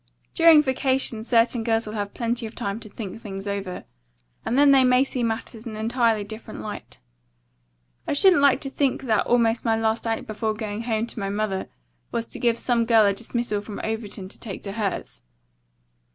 During vacation certain girls will have plenty of time to think things over, and then they may see matters in an entirely different light. I shouldn't like to think that almost my last act before going home to my mother was to give some girl a dismissal from Overton to take home to hers."